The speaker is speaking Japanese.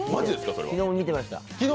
よく見てました。